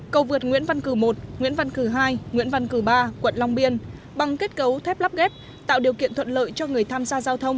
cầu vượt nguyễn văn cử một nguyễn văn cử hai nguyễn văn cử ba quận long biên bằng kết cấu thép lắp ghép tạo điều kiện thuận lợi cho người tham gia giao thông